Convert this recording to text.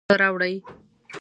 خواړه راوړئ